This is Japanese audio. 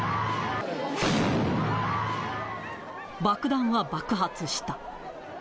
爆弾は爆発した。